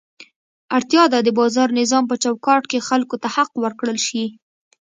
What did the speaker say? اړتیا ده د بازار نظام په چوکاټ کې خلکو ته حق ورکړل شي.